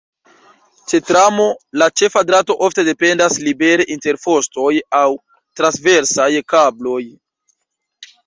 Ĉe tramo la ĉefa drato ofte pendas libere inter fostoj aŭ transversaj kabloj.